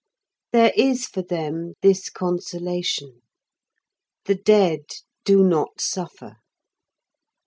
There is for them this consolation: The dead do not suffer.